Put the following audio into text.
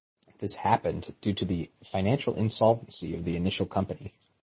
This happened due to the financial insolvency of the initial company.